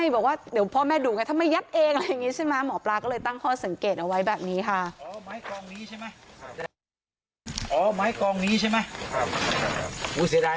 บอกว่าเดี๋ยวพ่อแม่ดุไงถ้าไม่ยัดเองอะไรอย่างงี้ใช่มั้ย